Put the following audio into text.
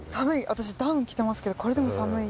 私ダウン着てますけどこれでも寒い。